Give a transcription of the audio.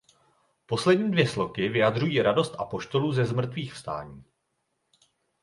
Poslední dvě sloky vyjadřují radost apoštolů ze zmrtvýchvstání.